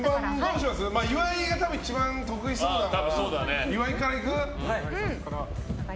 岩井が一番得意そうだから岩井からいくか。